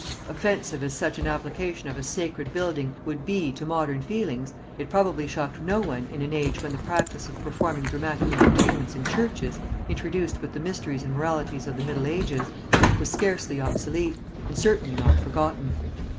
Offensive as such an application of a sacred building would be to modern feelings, it probably shocked no one in an age when the practice of performing dramatic entertainments in churches, introduced with the mysteries and moralities of the middle ages, was scarcely obsolete, and certainly not forgotten.